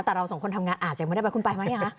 แต่เราสองคนทำงานอาจจะไม่ได้ไปขึ้นไปมั้ยคะ